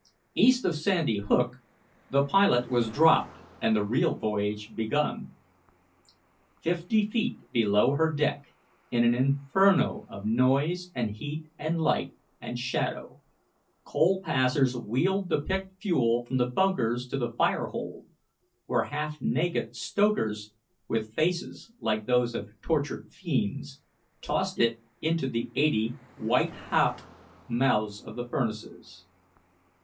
East of Sandy Hook the pilot was dropped and the real voyage begun. Fifty feet below her deck, in an inferno of noise, and heat, and light, and shadow, coal passers wheeled the picked fuel from the bunkers to the fire hold, where half naked stokers, with faces like those of tortured fiends, tossed it into the eighty white hot mouths of the furnaces.